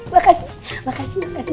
makasih makasih udah izin